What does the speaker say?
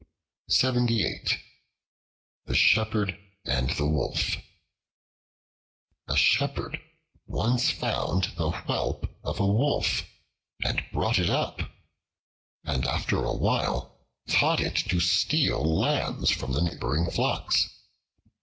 The Shepherd and the Wolf A SHEPHERD once found the whelp of a Wolf and brought it up, and after a while taught it to steal lambs from the neighboring flocks.